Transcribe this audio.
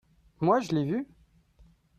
Moi, je l'ai vu.